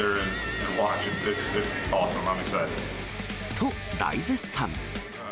と、大絶賛。